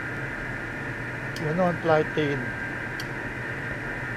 หัวนอนปลายตีน